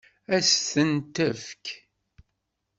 Ad s-ten-tefk?